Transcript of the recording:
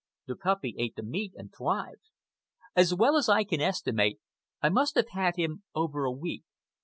The puppy ate the meat and thrived. As well as I can estimate, I must have had him over a week.